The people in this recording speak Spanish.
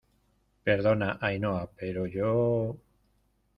perdona, Ainhoa , pero yo...